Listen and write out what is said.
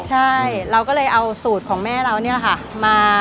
ใช่เราก็เลยเอาสูตรของแม่เรานี่แหละค่ะมา